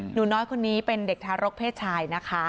หนูน้อยคนนี้เป็นเด็กทารกเพศชายนะคะ